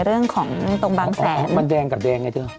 เรื่องของตรงบางแสนมันแดงกับแดงไงเธอ